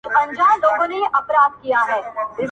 ټوله وركه يې.